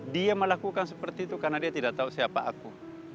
dia melakukan seperti itu karena dia tidak tahu siapa aku